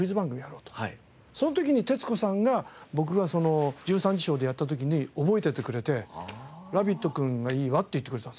その時に徹子さんが僕が『１３時ショー』でやった時に覚えててくれてラビット君がいいわって言ってくれたんですよ。